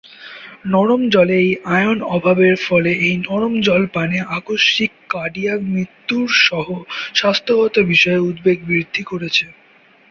নরম জলে এই আয়ন অভাবের ফলে এই নরম জল পানে আকস্মিক কার্ডিয়াক মৃত্যুর সহ স্বাস্থ্যগত বিষয়ে উদ্বেগ বৃদ্ধি করেছে।